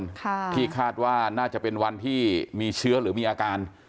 ค่ะที่คาดว่าน่าจะเป็นวันที่มีเชื้อหรือมีอาการ